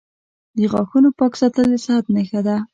• د غاښونو پاک ساتل د صحت نښه ده.